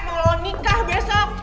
mau lo nikah besok